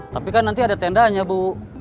tapi kan nanti ada tendanya bu